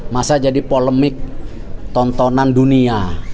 masa jadi polemik tontonan dunia